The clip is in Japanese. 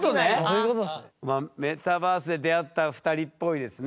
まあメタバースで出会った２人っぽいですね。